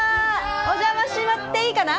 お邪魔していいかな？